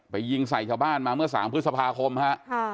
ยิงใส่ชาวบ้านมาเมื่อ๓พฤษภาคมฮะ